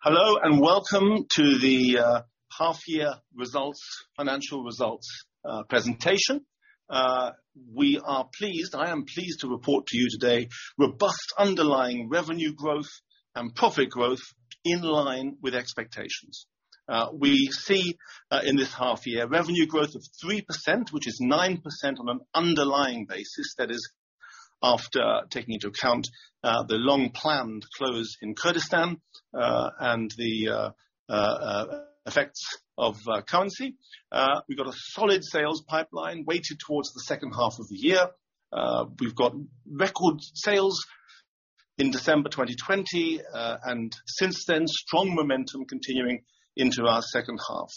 Hello, and welcome to the half-year financial results presentation. I am pleased to report to you today robust underlying revenue growth and profit growth in line with expectations. We see, in this half year, revenue growth of 3%, which is 9% on an underlying basis. That is after taking into account the long-planned close in Kurdistan, and the effects of currency. We've got a solid sales pipeline weighted towards the second half of the year. We've got record sales in December 2020, and since then, strong momentum continuing into our second half.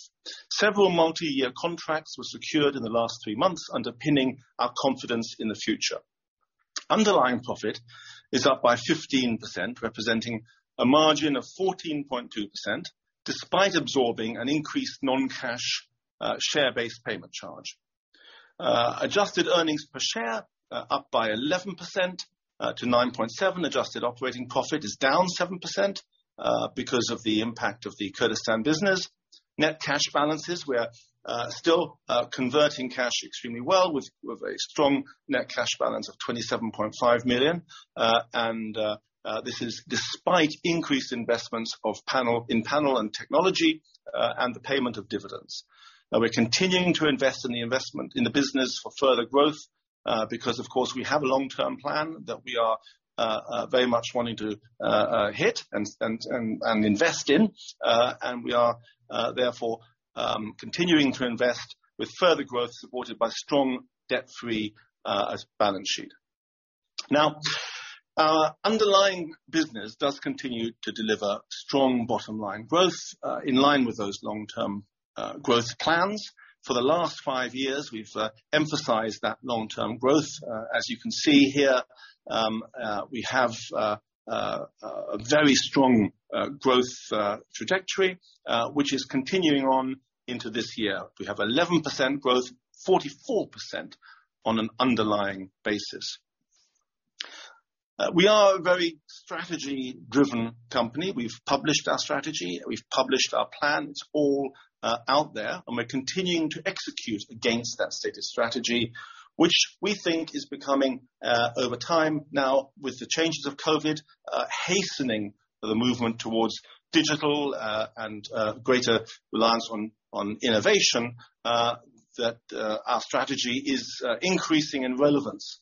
Several multi-year contracts were secured in the last three months, underpinning our confidence in the future. Underlying profit is up by 15%, representing a margin of 14.2%, despite absorbing an increased non-cash share-based payment charge. Adjusted earnings per share, up by 11% to 9.7. Adjusted operating profit is down 7% because of the impact of the Kurdistan business. Net cash balances, we are still converting cash extremely well with a very strong net cash balance of 27.5 million, and this is despite increased investments in panel and technology, and the payment of dividends. We're continuing to invest in the investment in the business for further growth, because, of course, we have a long-term plan that we are very much wanting to hit and invest in. We are therefore continuing to invest with further growth supported by strong debt-free as balance sheet. Now, our underlying business does continue to deliver strong bottom line growth, in line with those long-term growth plans. For the last five years, we've emphasized that long-term growth. As you can see here, we have a very strong growth trajectory, which is continuing on into this year. We have 11% growth, 44% on an underlying basis. We are a very strategy-driven company. We've published our strategy, we've published our plan. It's all out there. We're continuing to execute against that stated strategy, which we think is becoming, over time now with the changes of COVID-19, hastening the movement towards digital and greater reliance on innovation, that our strategy is increasing in relevance.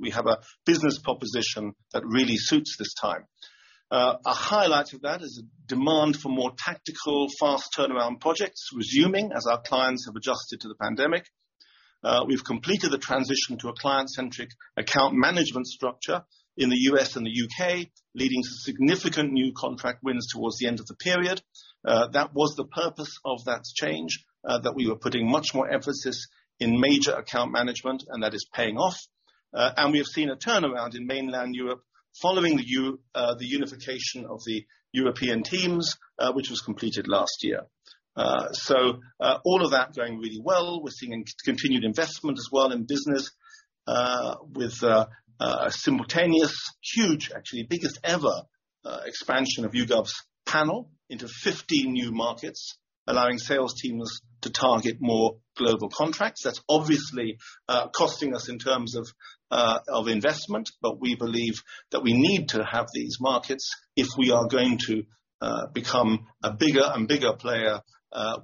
We have a business proposition that really suits this time. A highlight of that is a demand for more tactical, fast turnaround projects resuming as our clients have adjusted to the pandemic. We've completed the transition to a client-centric account management structure in the U.S. and the U.K., leading to significant new contract wins towards the end of the period. That was the purpose of that change, that we were putting much more emphasis in major account management, and that is paying off. We have seen a turnaround in mainland Europe following the unification of the European teams, which was completed last year. All of that going really well. We're seeing continued investment as well in business, with simultaneous huge, actually biggest ever, expansion of YouGov's panel into 50 new markets, allowing sales teams to target more global contracts. That's obviously costing us in terms of investment, but we believe that we need to have these markets if we are going to become a bigger and bigger player.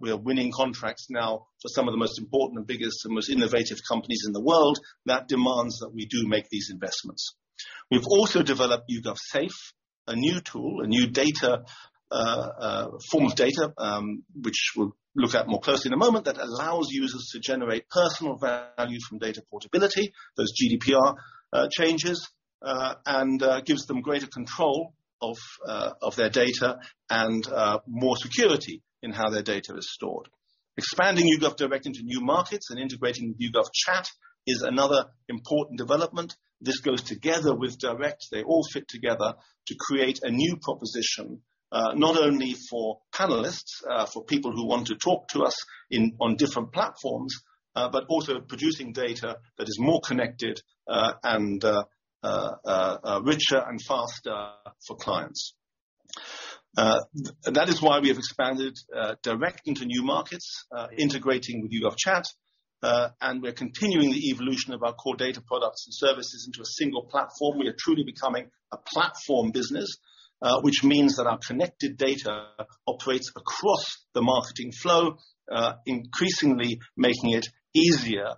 We are winning contracts now for some of the most important and biggest and most innovative companies in the world. That demands that we do make these investments. We've also developed YouGov Safe, a new tool, a new form of data, which we'll look at more closely in a moment, that allows users to generate personal value from data portability, those GDPR changes, and gives them greater control of their data and more security in how their data is stored. Expanding YouGov Direct into new markets and integrating YouGov Chat is another important development. This goes together with Direct. They all fit together to create a new proposition, not only for panelists, for people who want to talk to us on different platforms, but also producing data that is more connected, and richer and faster for clients. That is why we have expanded Direct into new markets, integrating with YouGov Chat, and we're continuing the evolution of our core data products and services into a single platform. We are truly becoming a platform business, which means that our connected data operates across the marketing flow, increasingly making it easier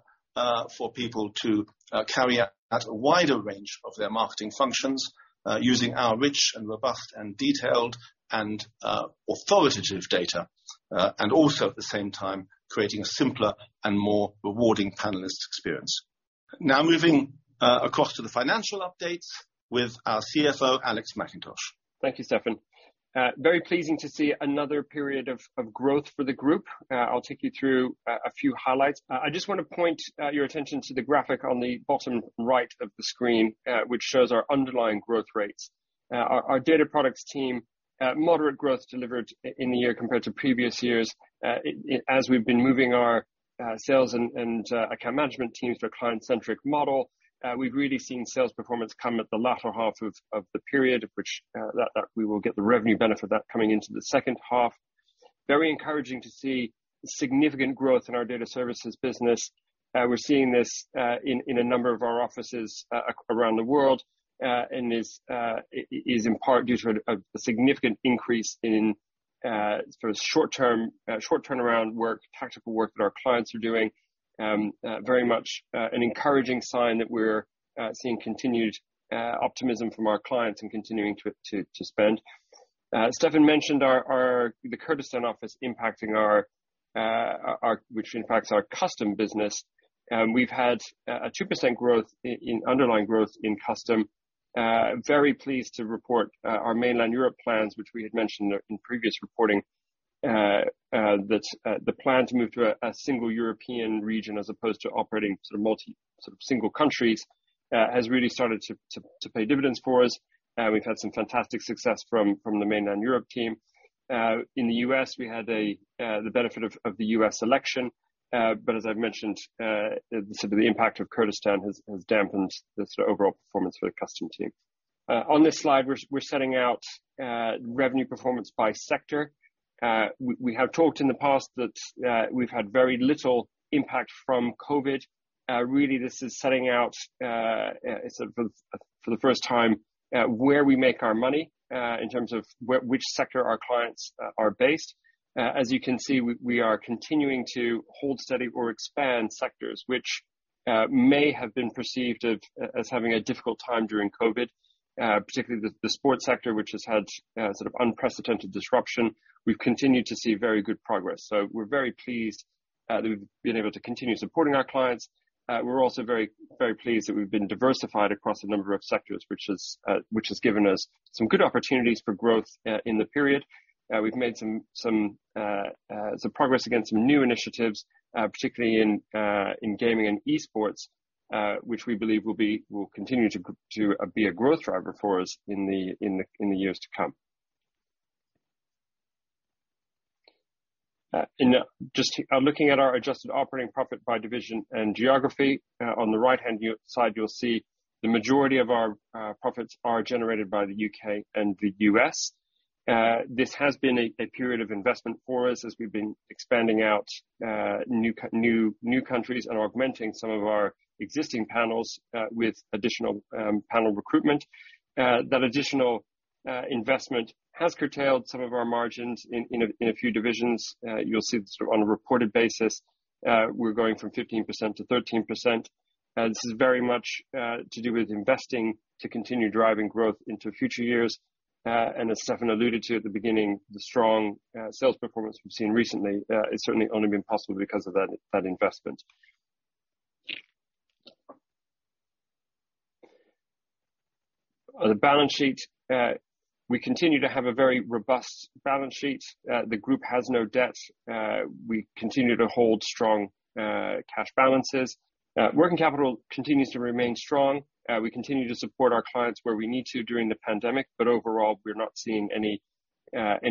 for people to carry out a wider range of their marketing functions using our rich and robust and detailed and authoritative data. Also, at the same time, creating a simpler and more rewarding panelist experience. Now, moving across to the financial updates with our CFO, Alex McIntosh. Thank you, Stephan. Very pleasing to see another period of growth for the group. I'll take you through a few highlights. I just want to point your attention to the graphic on the bottom right of the screen, which shows our underlying growth rates. Our Data Products team's moderate growth delivered in the year compared to previous years, as we've been moving our sales and account management teams to a client-centric model. We've really seen sales performance come at the latter half of the period, which we will get the revenue benefit of that coming into the second half. Very encouraging to see significant growth in our Data Services business. We're seeing this in a number of our offices around the world, and is in part due to a significant increase in short turnaround work, tactical work that our clients are doing. Very much an encouraging sign that we're seeing continued optimism from our clients and continuing to spend. Stephan mentioned the Kurdistan office, which impacts our custom business. We've had a 2% growth in underlying growth in custom. Very pleased to report our mainland Europe plans, which we had mentioned in previous reporting, that the plan to move to a single European region as opposed to operating multi, single countries, has really started to pay dividends for us. We've had some fantastic success from the mainland Europe team. In the U.S., we had the benefit of the U.S. election. As I've mentioned, the impact of Kurdistan has dampened the overall performance for the custom team. On this slide, we're setting out revenue performance by sector. We have talked in the past that we've had very little impact from COVID-19. Really, this is setting out, for the first time, where we make our money, in terms of which sector our clients are based. As you can see, we are continuing to hold steady or expand sectors which may have been perceived as having a difficult time during COVID-19, particularly the sports sector, which has had unprecedented disruption. We've continued to see very good progress. We're very pleased that we've been able to continue supporting our clients. We're also very pleased that we've been diversified across a number of sectors, which has given us some good opportunities for growth in the period. We've made some progress against some new initiatives, particularly in gaming and e-sports, which we believe will continue to be a growth driver for us in the years to come. Just looking at our adjusted operating profit by division and geography. On the right-hand side, you'll see the majority of our profits are generated by the U.K. and the U.S. This has been a period of investment for us as we've been expanding out new countries and augmenting some of our existing panels with additional panel recruitment. That additional investment has curtailed some of our margins in a few divisions. You'll see this on a reported basis, we're going from 15% to 13%. This is very much to do with investing to continue driving growth into future years, and as Stephan alluded to at the beginning, the strong sales performance we've seen recently, it's certainly only been possible because of that investment. On the balance sheet, we continue to have a very robust balance sheet. The group has no debt. We continue to hold strong cash balances. Working capital continues to remain strong. We continue to support our clients where we need to during the pandemic, overall, we're not seeing any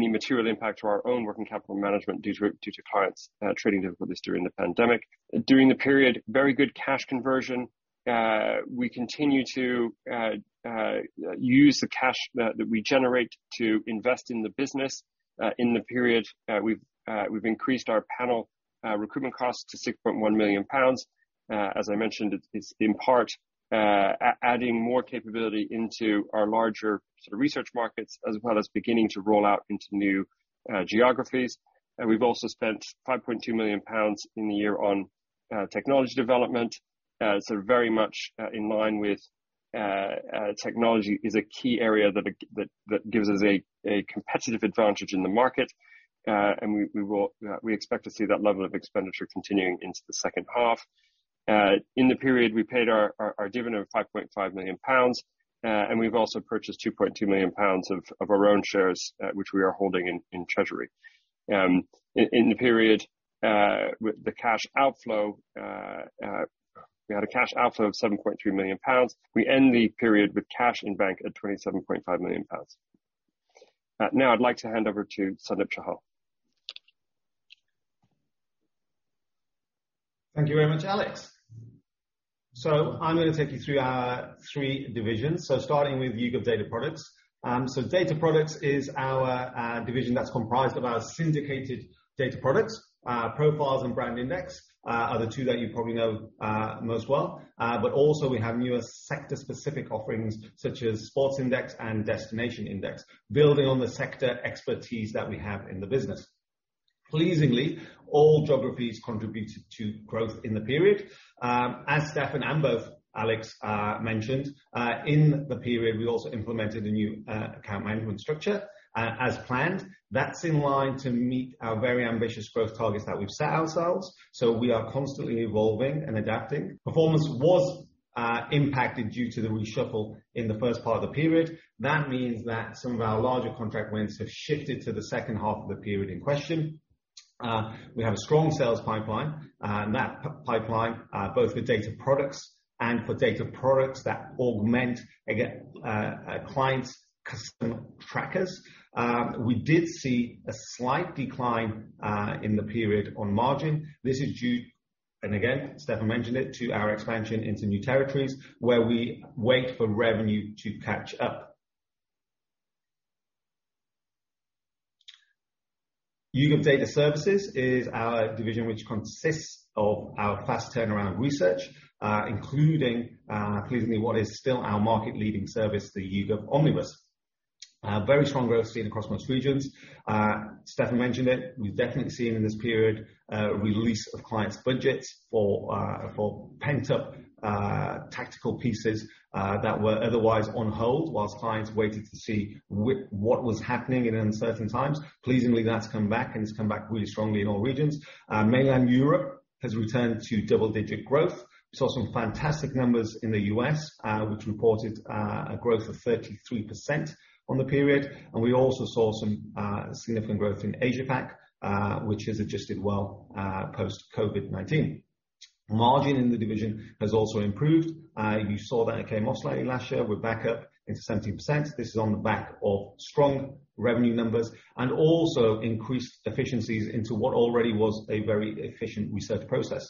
material impact to our own working capital management due to clients' trading difficulties during the pandemic. During the period, very good cash conversion. We continue to use the cash that we generate to invest in the business. In the period, we've increased our panel recruitment costs to 6.1 million pounds. As I mentioned, it's in part adding more capability into our larger research markets, as well as beginning to roll out into new geographies. We've also spent 5.2 million pounds in the year on technology development. Very much in line with technology is a key area that gives us a competitive advantage in the market. We expect to see that level of expenditure continuing into the second half. In the period, we paid our dividend of 5.5 million pounds. We've also purchased 2.2 million pounds of our own shares, which we are holding in treasury. In the period, with the cash outflow, we had a cash outflow of 7.3 million pounds. We end the period with cash in bank at 27.5 million pounds. I'd like to hand over to Sundip Chahal. Thank you very much, Alex. I'm going to take you through our three divisions. Starting with YouGov Data Products. Data Products is our division that's comprised of our syndicated data products, Profiles and BrandIndex are the two that you probably know most well. Also, we have newer sector-specific offerings such as SportsIndex and DestinationIndex, building on the sector expertise that we have in the business. Pleasingly, all geographies contributed to growth in the period. As Stephan and both Alex mentioned, in the period, we also implemented a new account management structure. As planned, that's in line to meet our very ambitious growth targets that we've set ourselves. We are constantly evolving and adapting. Performance was impacted due to the reshuffle in the first part of the period. That means that some of our larger contract wins have shifted to the second half of the period in question. We have a strong sales pipeline. That pipeline, both for data products and for data products that augment, again, clients' customer trackers. We did see a slight decline in the period on margin. This is due, again, Stephan mentioned it, to our expansion into new territories where we wait for revenue to catch up. YouGov Data Services is our division which consists of our fast turnaround research, including pleasingly what is still our market leading service, the YouGov Omnibus. Very strong growth seen across most regions. Stephan mentioned it, we've definitely seen in this period, release of clients' budgets for pent-up tactical pieces that were otherwise on hold while clients waited to see what was happening in uncertain times. Pleasingly, that's come back, and it's come back really strongly in all regions. Mainland Europe has returned to double-digit growth. We saw some fantastic numbers in the U.S., which reported a growth of 33% on the period. We also saw some significant growth in Asia Pac, which has adjusted well post COVID-19. Margin in the division has also improved. You saw that it came off slightly last year. We're back up into 17%. This is on the back of strong revenue numbers and also increased efficiencies into what already was a very efficient research process.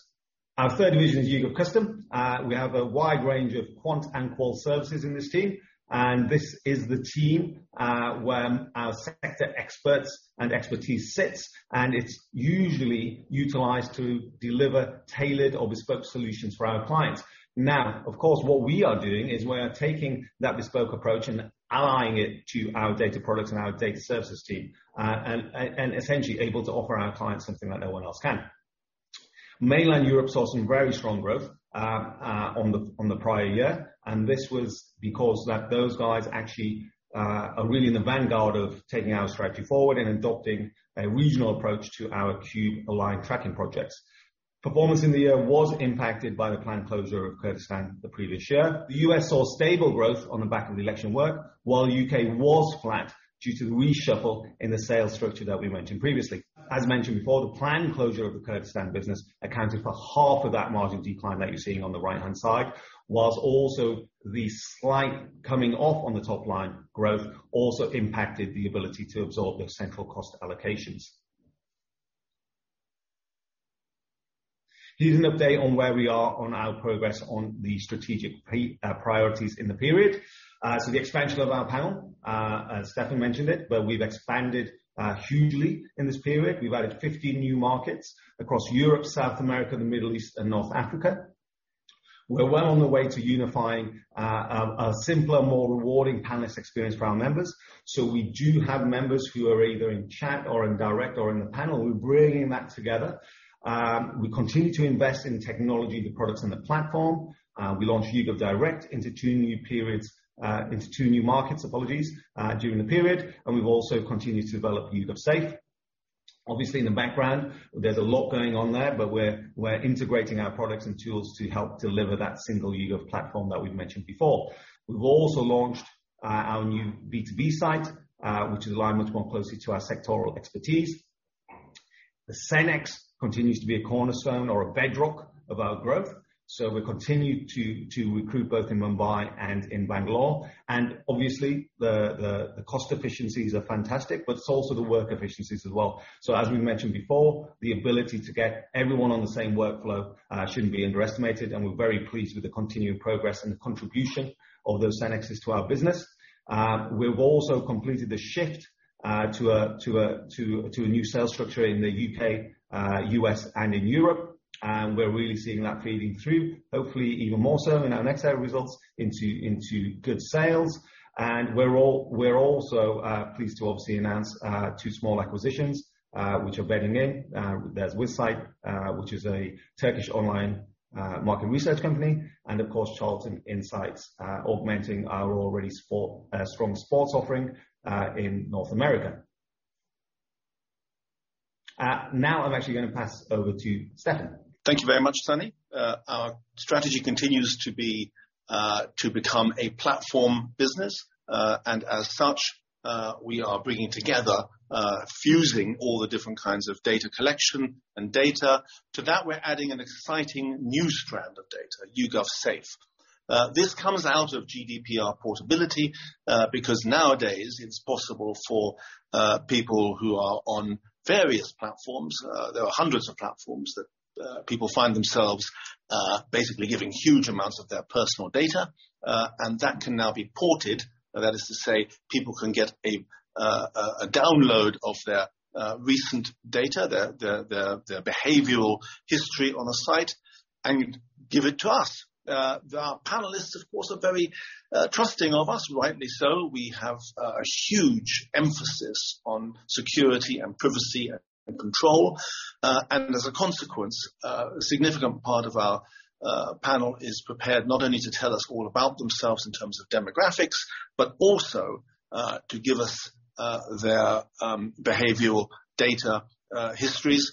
Our third division is YouGov Custom. We have a wide range of quant and qual services in this team, and this is the team where our sector experts and expertise sits, and it's usually utilized to deliver tailored or bespoke solutions for our clients. Of course, what we are doing is we are taking that bespoke approach and allying it to our data products and our data services team, and essentially able to offer our clients something that no one else can. Mainland Europe saw some very strong growth on the prior year. This was because that those guys actually are really in the vanguard of taking our strategy forward and adopting a regional approach to our Cube-aligned tracking projects. Performance in the year was impacted by the planned closure of Kurdistan the previous year. The U.S. saw stable growth on the back of the election work, while U.K. was flat due to the reshuffle in the sales structure that we mentioned previously. As mentioned before, the planned closure of the Kurdistan business accounted for half of that margin decline that you're seeing on the right-hand side, whilst also the slight coming off on the top line growth also impacted the ability to absorb those central cost allocations. Here's an update on where we are on our progress on the strategic priorities in the period. The expansion of our panel, Stephan mentioned it, but we've expanded hugely in this period. We've added 50 new markets across Europe, South America, the Middle East, and North Africa. We're well on the way to unifying a simpler, more rewarding panelist experience for our members. We do have members who are either in chat or in direct or in the panel. We're bringing that together. We continue to invest in technology, the products, and the platform. We launched YouGov Direct into two new markets during the period, and we've also continued to develop YouGov Safe. Obviously, in the background, there's a lot going on there, but we're integrating our products and tools to help deliver that single YouGov platform that we've mentioned before. We've also launched our new B2B site, which is aligned much more closely to our sectoral expertise. The Cenex continues to be a cornerstone or a bedrock of our growth. We continue to recruit both in Mumbai and in Bangalore. Obviously, the cost efficiencies are fantastic, but so is the work efficiencies as well. As we mentioned before, the ability to get everyone on the same workflow shouldn't be underestimated, and we're very pleased with the continued progress and the contribution of those Cenexes to our business. We've also completed the shift to a new sales structure in the U.K., U.S., and in Europe, we're really seeing that feeding through, hopefully even more so in our next set of results into good sales. We're also pleased to obviously announce two small acquisitions, which are bedding in. There's Wizsight, which is a Turkish online market research company, and of course, Charlton Insights, augmenting our already strong sports offering, in North America. I'm actually gonna pass over to Stephan. Thank you very much, Sundip. Our strategy continues to become a platform business. As such, we are bringing together, fusing all the different kinds of data collection and data. To that, we're adding an exciting new strand of data, YouGov Safe. This comes out of GDPR portability, because nowadays it's possible for people who are on various platforms, there are hundreds of platforms, that people find themselves basically giving huge amounts of their personal data, and that can now be ported. That is to say, people can get a download of their recent data, their behavioral history on a site and give it to us. Our panelists, of course, are very trusting of us, rightly so. We have a huge emphasis on security and privacy and control. As a consequence, a significant part of our panel is prepared not only to tell us all about themselves in terms of demographics, but also to give us their behavioral data histories.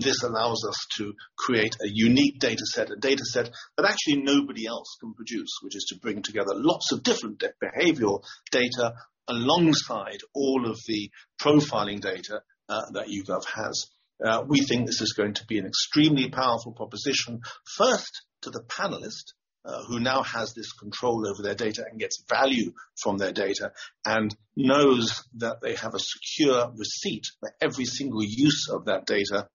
This allows us to create a unique data set, a data set that actually nobody else can produce, which is to bring together lots of different behavioral data alongside all of the profiling data that YouGov has. We think this is going to be an extremely powerful proposition, first to the panelist who now has this control over their data and gets value from their data, and knows that they have a secure receipt for every single use of that data,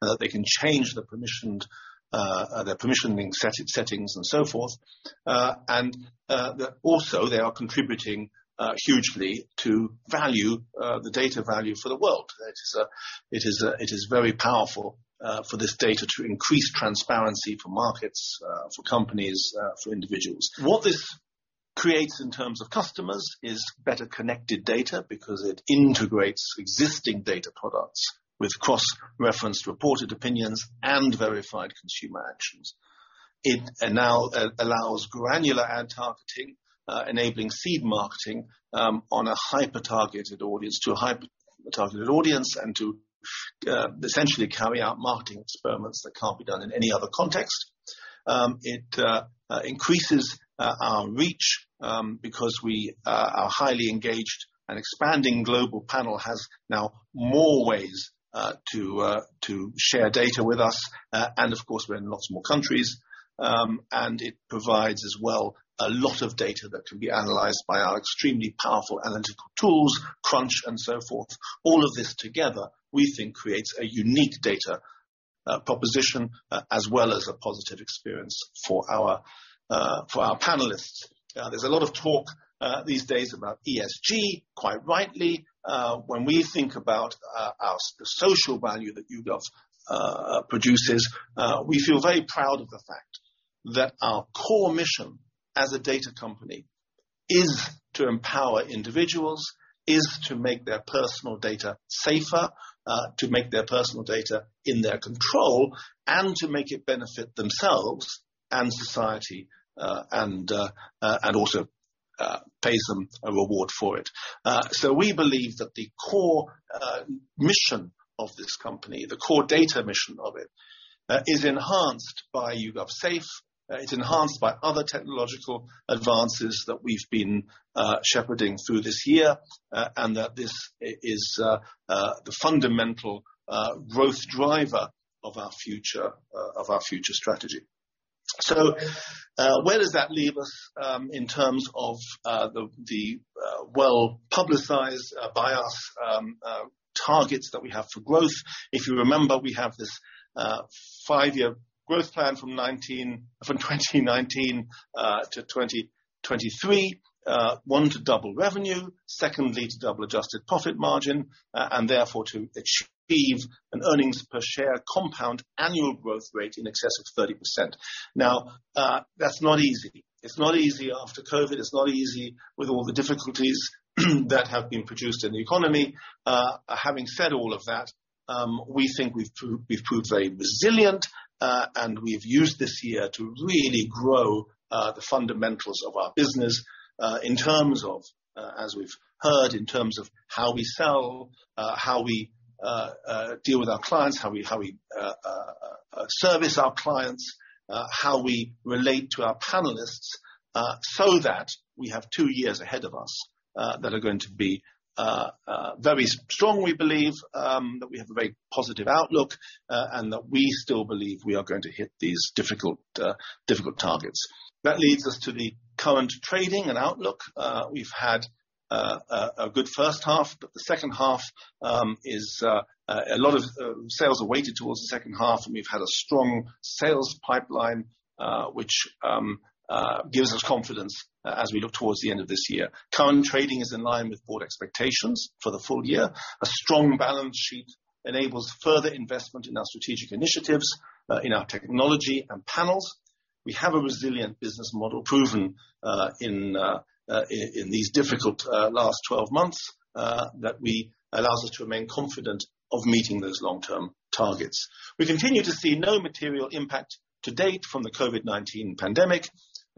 and that they can change their permissioning settings and so forth. That also they are contributing hugely to the data value for the world. It is very powerful for this data to increase transparency for markets, for companies, for individuals. What this creates in terms of customers is better connected data because it integrates existing data products with cross-referenced reported opinions and verified consumer actions. It now allows granular ad targeting, enabling seed marketing to a hyper-targeted audience and to essentially carry out marketing experiments that can't be done in any other context. It increases our reach because our highly engaged and expanding global panel has now more ways to share data with us. Of course, we're in lots more countries. It provides as well a lot of data that can be analyzed by our extremely powerful analytical tools, Crunch and so forth. All of this together, we think creates a unique data proposition as well as a positive experience for our panelists. There's a lot of talk these days about ESG, quite rightly. When we think about the social value that YouGov produces, we feel very proud of the fact that our core mission as a data company is to empower individuals, is to make their personal data safer, to make their personal data in their control, and to make it benefit themselves and society, and also pay some a reward for it. We believe that the core mission of this company, the core data mission of it, is enhanced by YouGov Safe. It's enhanced by other technological advances that we've been shepherding through this year, and that this is the fundamental growth driver of our future strategy. Where does that leave us in terms of the well-publicized by us targets that we have for growth? If you remember, we have this five-year growth plan from 2019 to 2023. One, to double revenue. Secondly, to double adjusted profit margin, and therefore to achieve an earnings per share compound annual growth rate in excess of 30%. That's not easy. It's not easy after COVID-19. It's not easy with all the difficulties that have been produced in the economy. Having said all of that, we think we've proved very resilient, and we've used this year to really grow the fundamentals of our business. In terms of, as we've heard, in terms of how we sell, how we deal with our clients, how we service our clients, how we relate to our panelists, so that we have two years ahead of us that are going to be very strong, we believe, that we have a very positive outlook, and that we still believe we are going to hit these difficult targets. That leads us to the current trading and outlook. We've had a good first half, but the second half is. A lot of sales are weighted towards the second half, and we've had a strong sales pipeline, which gives us confidence as we look towards the end of this year. Current trading is in line with board expectations for the full year. A strong balance sheet enables further investment in our strategic initiatives, in our technology and panels. We have a resilient business model proven in these difficult last 12 months, that allows us to remain confident of meeting those long-term targets. We continue to see no material impact to date from the COVID-19 pandemic.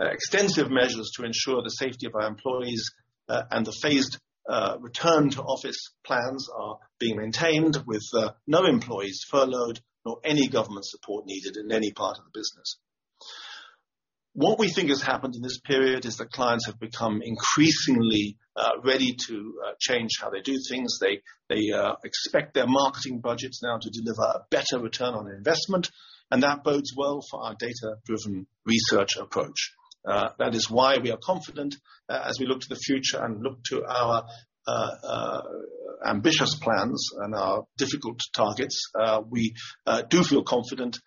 Extensive measures to ensure the safety of our employees, and the phased return to office plans are being maintained with no employees furloughed nor any government support needed in any part of the business. What we think has happened in this period is that clients have become increasingly ready to change how they do things. They expect their marketing budgets now to deliver a better ROI, and that bodes well for our data-driven research approach. That is why we are confident as we look to the future and look to our ambitious plans and our difficult targets. We do feel confident.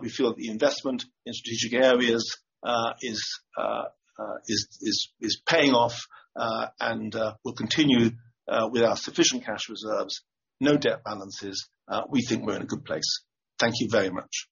We feel the investment in strategic areas is paying off, and will continue with our sufficient cash reserves, no debt balances. We think we're in a good place. Thank you very much.